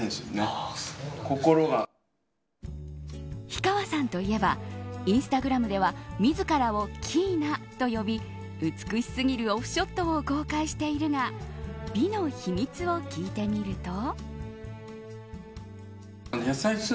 氷川さんといえばインスタグラムでは自らをｋｉｉｎａと呼び美しすぎるオフショットを公開しているが美の秘密を聞いてみると。